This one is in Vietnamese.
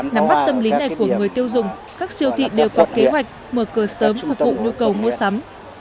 nắm bắt tâm lý này của người tiêu dùng các siêu thị đều có kế hoạch mở cửa sớm phục vụ nhu cầu mua sắm